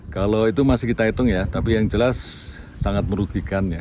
kalau itu masih kita hitung ya tapi yang jelas sangat merugikan ya